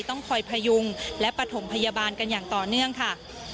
ต้องคอยพยุงและปฐมพยาบาลกันอย่างต่อเนื่องค่ะ